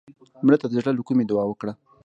مړه ته د زړه له کومې دعا وکړه